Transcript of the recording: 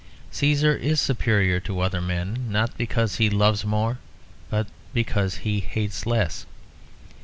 Cæsar is superior to other men not because he loves more, but because he hates less.